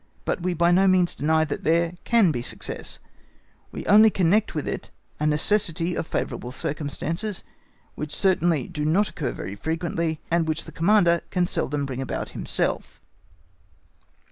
But we by no means deny that there can be success; we only connect with it a necessity of favourable circumstances, which, certainly do not occur very frequently, and which the Commander can seldom bring about himself.